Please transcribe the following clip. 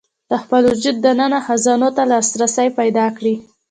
د خپل وجود دننه خزانو ته لاسرسی پيدا کړي.